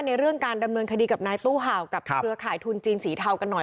เรื่องการดำเนินคดีกับนายตู้เห่ากับเครือข่ายทุนจีนสีเทากันหน่อย